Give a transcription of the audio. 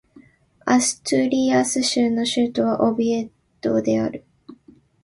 アストゥリアス州の州都はオビエドである